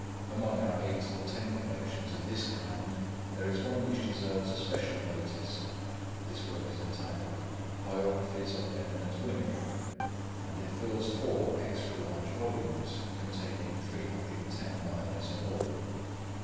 Among our eight or ten collections of this kind, there is one which deserves a special notice. This work is entitled Biographies of Eminent Women, and it fills four extra large volumes, containing 310 lives in all.